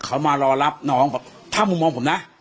เขามารอรับน้องบอกถ้ามุมมองผมนะ